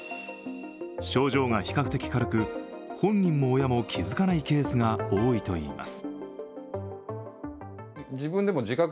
症状が比較的軽く、本人も親も気づかないケースが多いといいます。